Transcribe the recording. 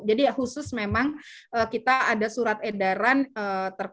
jadi khusus memang kita ada surat edaran terkait dengan menghadapi nataru